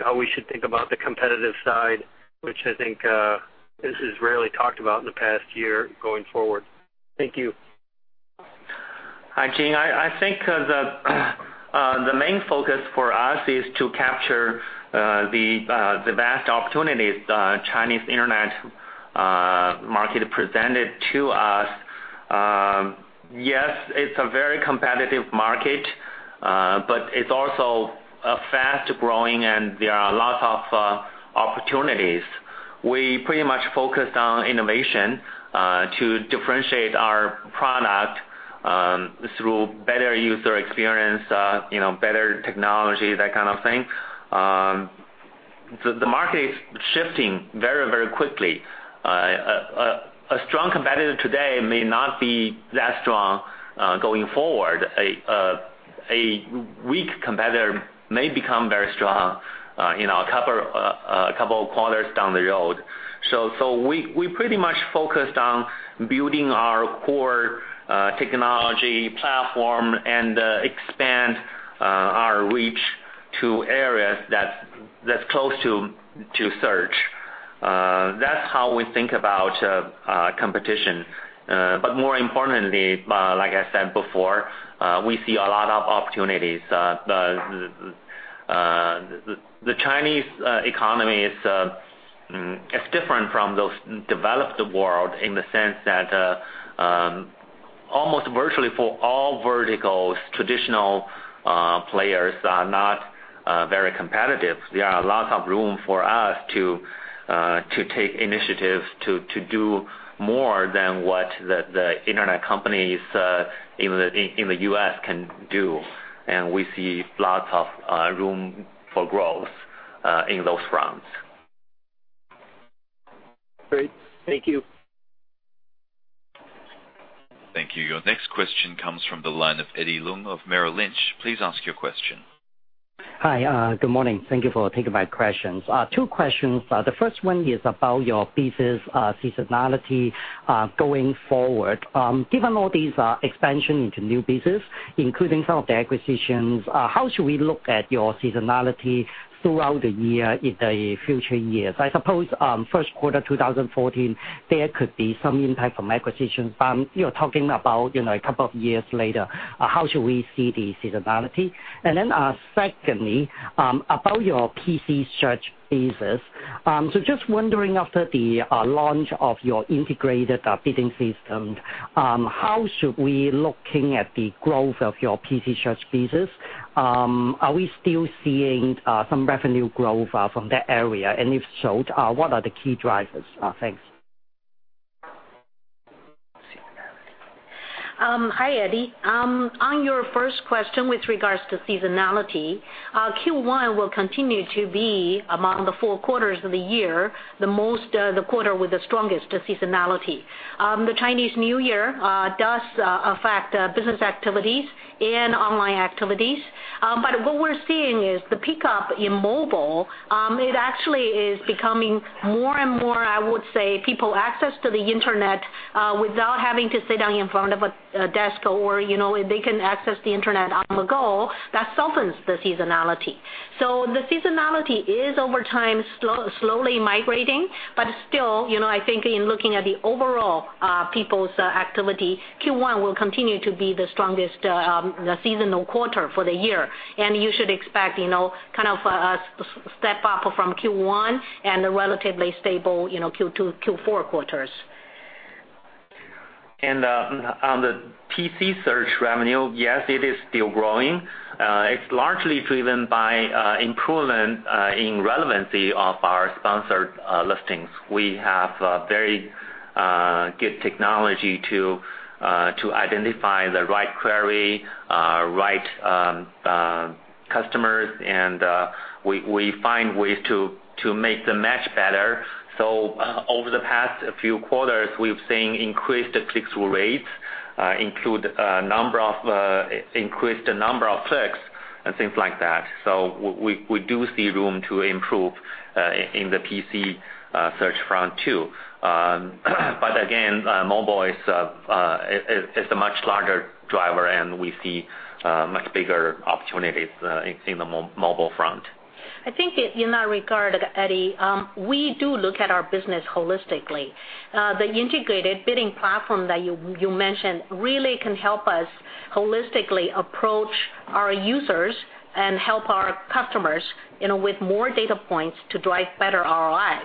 how we should think about the competitive side, which I think this is rarely talked about in the past year going forward. Thank you. Hi, Gene. I think the main focus for us is to capture the vast opportunities the Chinese internet market presented to us. Yes, it's a very competitive market, but it's also fast-growing, and there are lots of opportunities. We pretty much focus on innovation to differentiate our product through better user experience, better technology, that kind of thing. The market is shifting very quickly. A strong competitor today may not be that strong going forward. A weak competitor may become very strong in a couple of quarters down the road. We pretty much focused on building our core technology platform and expand our reach to areas that's close to search. That's how we think about competition. More importantly, like I said before, we see a lot of opportunities. The Chinese economy is different from those developed the world in the sense that almost virtually for all verticals, traditional players are not very competitive. There are lots of room for us to take initiatives to do more than what the internet companies in the U.S. can do. We see lots of room for growth in those fronts. Great. Thank you. Thank you. Your next question comes from the line of Eddie Leung of Merrill Lynch. Please ask your question. Hi. Good morning. Thank you for taking my questions. Two questions. The first one is about your business seasonality going forward. Given all these expansion into new business, including some of the acquisitions, how should we look at your seasonality throughout the year in the future years? I suppose, first quarter 2014, there could be some impact from acquisitions. You're talking about a couple of years later, how should we see the seasonality? Secondly, about your PC search business. Just wondering after the launch of your integrated bidding system, how should we looking at the growth of your PC search business? Are we still seeing some revenue growth from that area? If so, what are the key drivers? Thanks. Seasonality. Hi, Eddie. On your first question with regards to seasonality, Q1 will continue to be, among the four quarters of the year, the quarter with the strongest seasonality. The Chinese New Year does affect business activities and online activities. What we're seeing is the pickup in mobile, it actually is becoming more and more, I would say people access to the internet without having to sit down in front of a desk or they can access the internet on the go. That softens the seasonality. The seasonality is, over time, slowly migrating. Still, I think in looking at the overall people's activity, Q1 will continue to be the strongest seasonal quarter for the year. You should expect kind of a step up from Q1 and a relatively stable Q2, Q4 quarters. On the PC search revenue, yes, it is still growing. It's largely driven by improvement in relevancy of our sponsored listings. We have a very good technology to identify the right query, right customers, and we find ways to make the match better. Over the past few quarters, we've seen increased clicks rates, increased number of clicks and things like that. We do see room to improve in the PC search front too. Again, mobile is a much larger driver, and we see much bigger opportunities in the mobile front. I think in that regard, Eddie, we do look at our business holistically. The integrated bidding platform that you mentioned really can help us holistically approach our users and help our customers with more data points to drive better ROIs.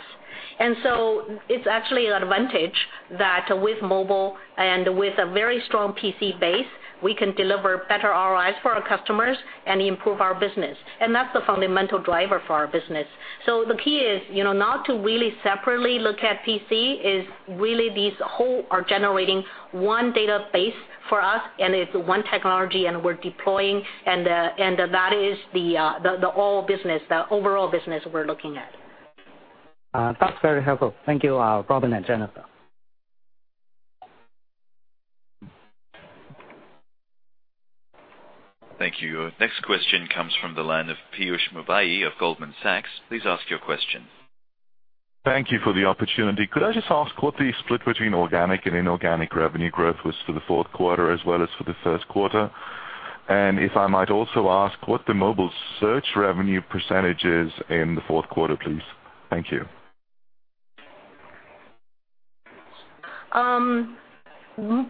It's actually an advantage that with mobile and with a very strong PC base, we can deliver better ROIs for our customers and improve our business. That's the fundamental driver for our business. The key is, not to really separately look at PC, is really these whole are generating one database for us, and it's one technology, and we're deploying, and that is the all business, the overall business we're looking at. That's very helpful. Thank you, Robin and Jennifer. Thank you. Your next question comes from the line of Piyush Mubayi of Goldman Sachs. Please ask your question. Thank you for the opportunity. Could I just ask what the split between organic and inorganic revenue growth was for the fourth quarter as well as for the first quarter? If I might also ask what the mobile search revenue percentage is in the fourth quarter, please. Thank you.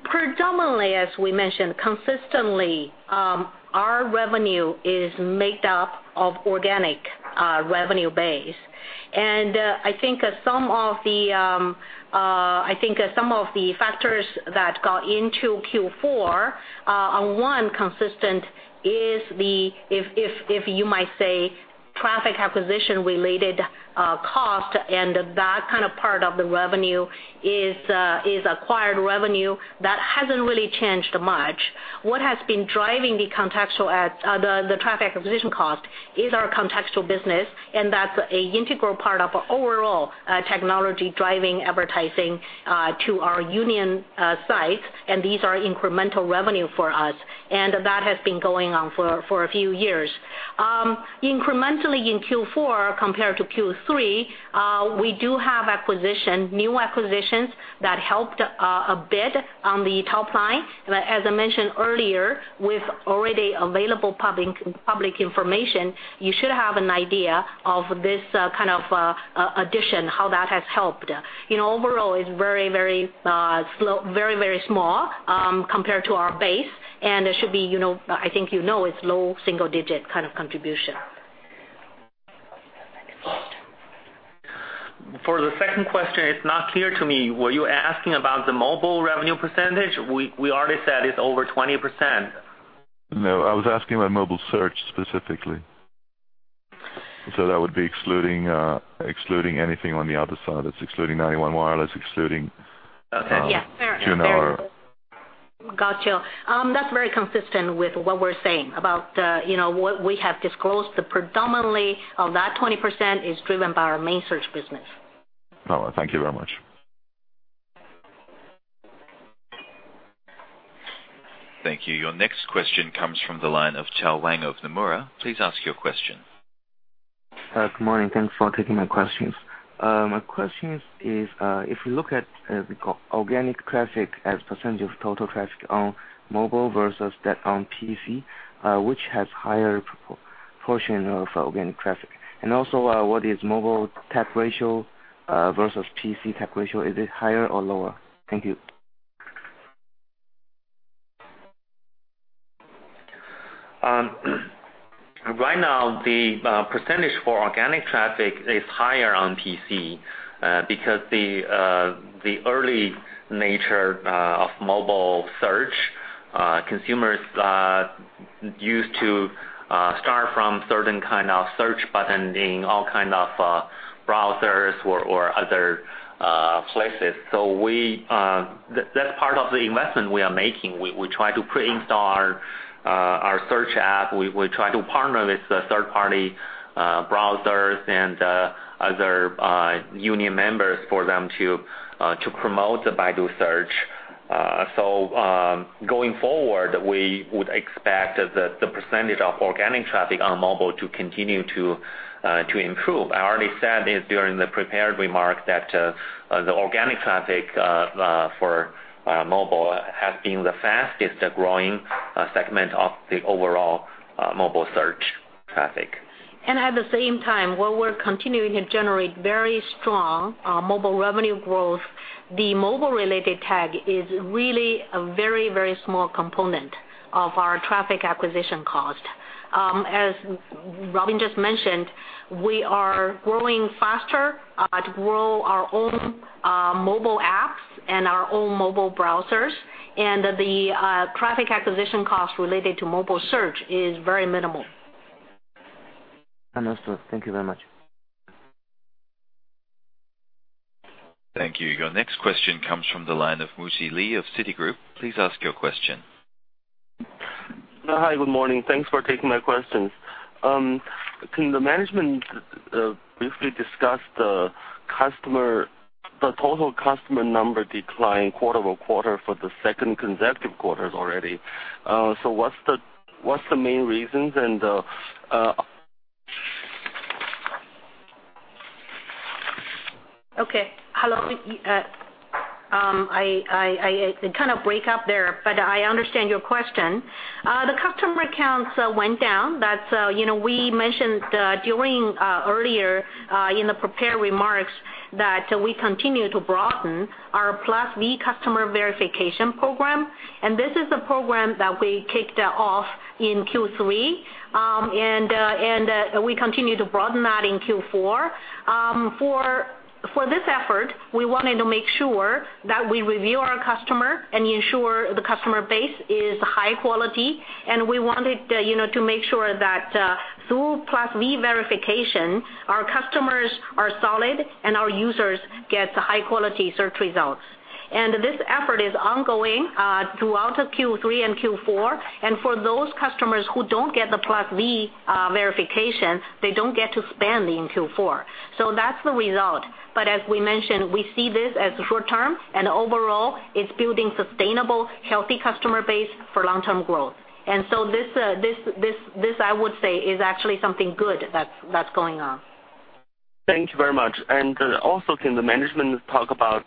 Predominantly, as we mentioned, consistently, our revenue is made up of organic revenue base. I think some of the factors that got into Q4, one consistent is the, if you might say, traffic acquisition related cost and that kind of part of the revenue is acquired revenue. That hasn't really changed much. What has been driving the traffic acquisition cost is our contextual business, and that's an integral part of overall technology driving advertising to our Baidu Union sites, and these are incremental revenue for us. That has been going on for a few years. Incrementally in Q4 compared to Q3, we do have new acquisitions that helped a bit on the top line. As I mentioned earlier, with already available public information, you should have an idea of this kind of addition, how that has helped. Overall, it's very small compared to our base, and I think you know it's low single digit kind of contribution. For the second question, it's not clear to me, were you asking about the mobile revenue percentage? We already said it's over 20%. I was asking about mobile search specifically. That would be excluding anything on the other side. It's excluding 91 Wireless. Yes. Nuomi. Got you. That's very consistent with what we're saying about what we have disclosed. Predominantly, of that 20% is driven by our main search business. All right. Thank you very much. Thank you. Your next question comes from the line of Chao Wang of Nomura. Please ask your question. Good morning. Thanks for taking my questions. My question is, if you look at organic traffic as % of total traffic on mobile versus that on PC, which has higher portion of organic traffic? What is mobile tag ratio versus PC tag ratio? Is it higher or lower? Thank you. Right now, the % for organic traffic is higher on PC because the early nature of mobile search, consumers used to start from certain kind of search button in all kind of browsers or other places. That's part of the investment we are making. We try to pre-install our search app. We try to partner with third-party browsers and other union members for them to promote the Baidu search. Going forward, we would expect that the % of organic traffic on mobile to continue to improve. I already said it during the prepared remarks that the organic traffic for mobile has been the fastest growing segment of the overall mobile search traffic. At the same time, while we're continuing to generate very strong mobile revenue growth, the mobile-related tag is really a very, very small component of our traffic acquisition cost. As Robin just mentioned, we are growing faster to grow our own mobile apps and our own mobile browsers, the traffic acquisition cost related to mobile search is very minimal. Understood. Thank you very much. Thank you. Your next question comes from the line of Muzhi Li of Citigroup. Please ask your question. Hi, good morning. Thanks for taking my questions. Can the management briefly discuss the total customer number decline quarter-over-quarter for the second consecutive quarters already? Okay. Hello? It kind of broke up there. I understand your question. The customer accounts went down. We mentioned earlier in the prepared remarks that we continue to broaden our Plus V customer verification program. This is a program that we kicked off in Q3, and we continue to broaden that in Q4. For this effort, we wanted to make sure that we review our customer and ensure the customer base is high quality. We wanted to make sure that through Plus V verification, our customers are solid and our users get high-quality search results. This effort is ongoing throughout Q3 and Q4. For those customers who don't get the Plus V verification, they don't get to spend in Q4. That's the result. As we mentioned, we see this as short-term, and overall, it's building sustainable, healthy customer base for long-term growth. This, I would say, is actually something good that's going on. Thank you very much. Also, can the management talk about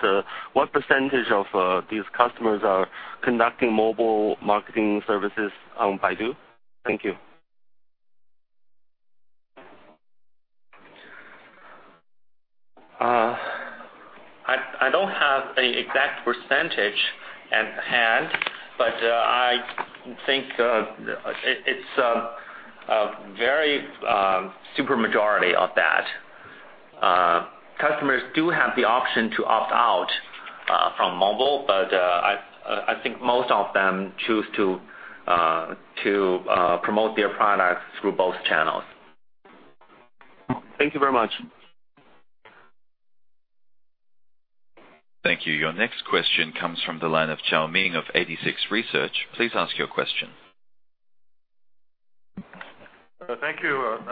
what percentage of these customers are conducting mobile marketing services on Baidu? Thank you. I don't have an exact percentage at hand, but I think it's a very super majority of that. Customers do have the option to opt-out from mobile, but I think most of them choose to promote their products through both channels. Thank you very much. Thank you. Your next question comes from the line of Zhao Ming of 86Research. Please ask your question. Thank you.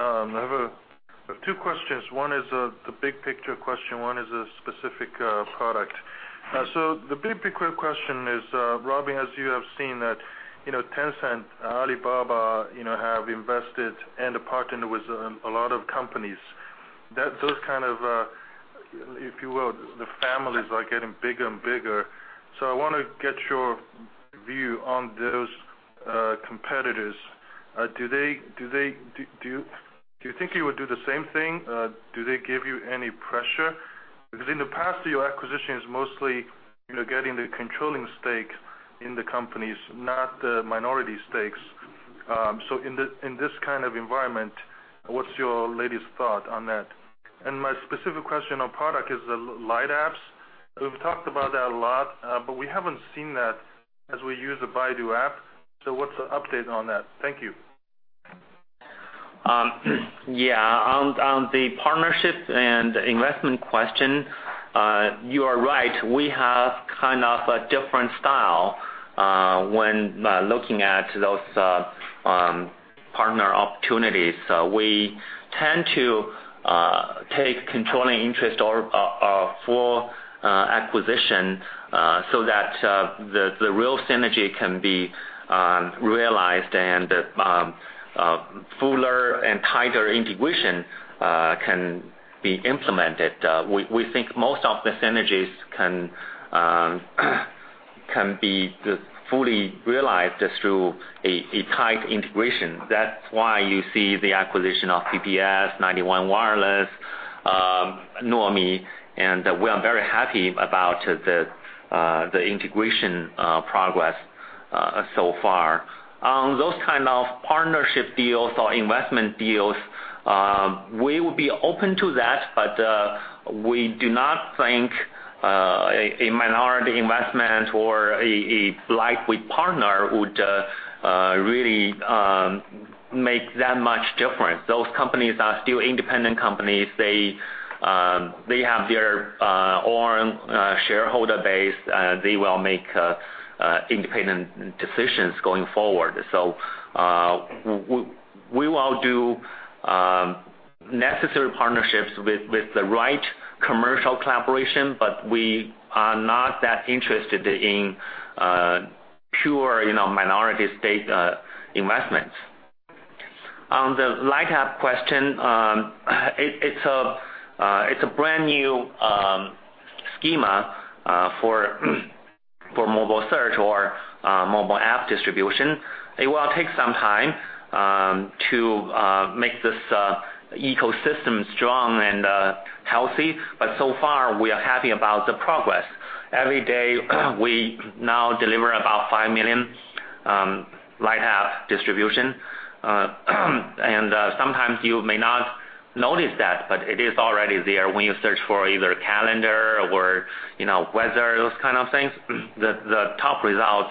I have two questions. One is the big picture question, one is a specific product. The big picture question is, Robin, as you have seen that Tencent, Alibaba, have invested and partnered with a lot of companies. Those kind of, if you will, the families are getting bigger and bigger. I want to get your view on those competitors. Do you think you would do the same thing? Do they give you any pressure? Because in the past, your acquisitions mostly getting the controlling stake in the companies, not the minority stakes. In this kind of environment, what's your latest thought on that? My specific question on product is the light apps. We've talked about that a lot, but we haven't seen that as we use the Baidu app. What's the update on that? Thank you. Yeah. On the partnership and investment question, you are right. We have kind of a different style when looking at those partner opportunities. We tend to take controlling interest or full acquisition, so that the real synergy can be realized and fuller and tighter integration can be implemented. We think most of the synergies can be fully realized through a tight integration. That's why you see the acquisition of PPS, 91 Wireless, Nuomi, and we are very happy about the integration progress so far. On those kind of partnership deals or investment deals, we will be open to that, but we do not think a minority investment or a lightweight partner would really make that much difference. Those companies are still independent companies. They have their own shareholder base. They will make independent decisions going forward. We will do necessary partnerships with the right commercial collaboration, but we are not that interested in pure minority stake investments. On the light app question, it's a brand new schema for mobile search or mobile app distribution. It will take some time to make this ecosystem strong and healthy. So far, we are happy about the progress. Every day, we now deliver about 5 million light app distributions. Sometimes you may not notice that, but it is already there when you search for either calendar or weather, those kind of things, the top results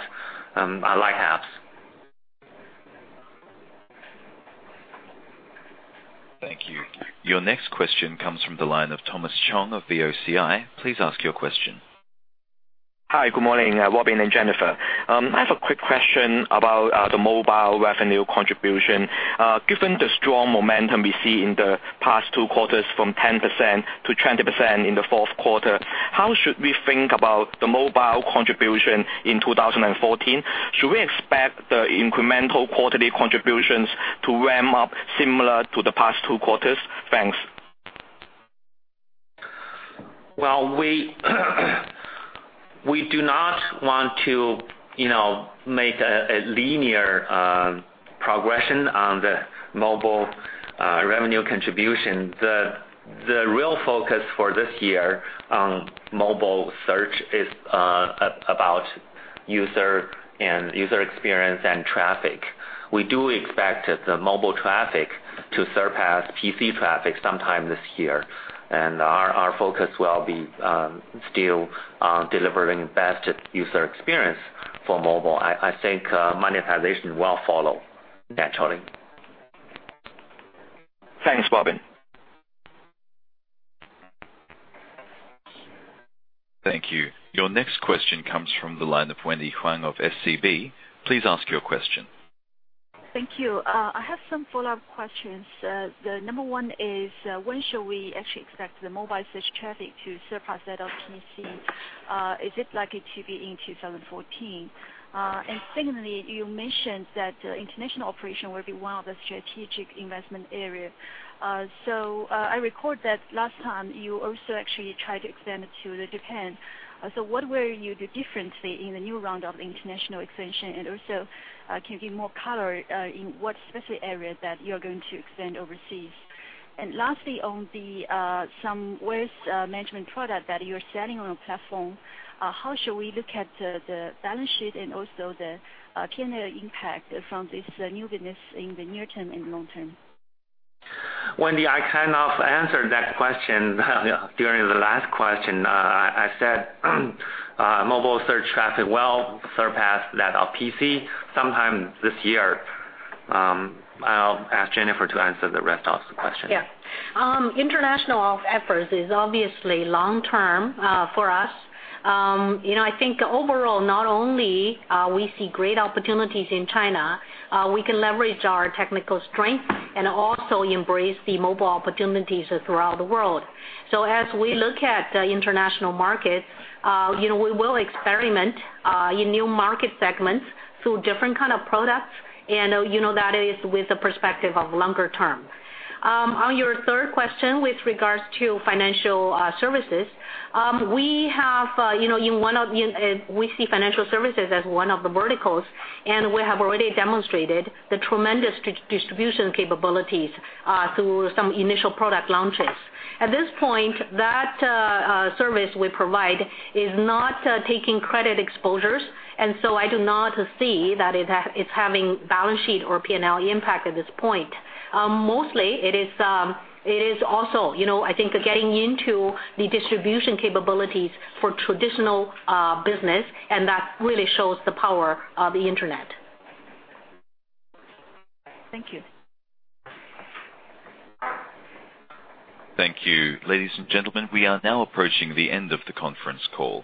are light apps. Thank you. Your next question comes from the line of Thomas Chong of BOCI. Please ask your question. Hi, good morning, Robin and Jennifer. I have a quick question about the mobile revenue contribution. Given the strong momentum we see in the past two quarters from 10%-20% in the fourth quarter, how should we think about the mobile contribution in 2014? Should we expect the incremental quarterly contributions to ramp up similar to the past two quarters? Thanks. We do not want to make a linear progression on the mobile revenue contribution. The real focus for this year on mobile search is about user and user experience and traffic. We do expect the mobile traffic to surpass PC traffic sometime this year, our focus will be still on delivering best user experience for mobile. I think monetization will follow naturally. Thanks, Robin. Thank you. Your next question comes from the line of Wendy Huang of Standard Chartered. Please ask your question. Thank you. I have some follow-up questions. The number 1 is, when should we actually expect the mobile search traffic to surpass that of PC? Is it likely to be in 2014? Secondly, you mentioned that international operation will be one of the strategic investment areas. I record that last time you also actually tried to extend it to Japan. What will you do differently in the new round of international expansion, also, can you give more color in what specific area that you're going to extend overseas? Lastly, on some wealth management product that you're selling on your platform, how should we look at the balance sheet and also the P&L impact from this new business in the near term and long term? Wendy, I kind of answered that question during the last question. I said mobile search traffic will surpass that of PC sometime this year. I'll ask Jennifer to answer the rest of the question. Yeah. International efforts is obviously long term for us. I think overall, not only we see great opportunities in China, we can leverage our technical strength and also embrace the mobile opportunities throughout the world. As we look at the international market, we will experiment in new market segments through different kind of products, and that is with the perspective of longer term. On your third question with regards to financial services, we see financial services as one of the verticals, and we have already demonstrated the tremendous distribution capabilities through some initial product launches. At this point, that service we provide is not taking credit exposures, and so I do not see that it's having balance sheet or P&L impact at this point. Mostly, it is also, I think, getting into the distribution capabilities for traditional business, and that really shows the power of the Internet. Thank you. Thank you. Ladies and gentlemen, we are now approaching the end of the conference call.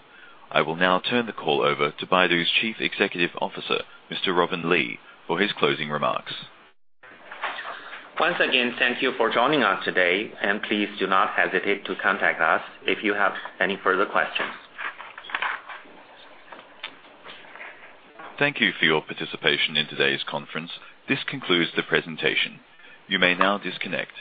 I will now turn the call over to Baidu's Chief Executive Officer, Mr. Robin Li, for his closing remarks. Once again, thank you for joining us today, and please do not hesitate to contact us if you have any further questions. Thank you for your participation in today's conference. This concludes the presentation. You may now disconnect.